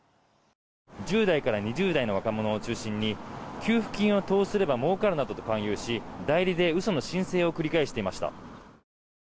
１０代から２０代の若者を中心に給付金を投資すれば儲かると勧誘し代理で嘘の申請を繰り返していました。